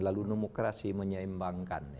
lalu demokrasi menyeimbangkan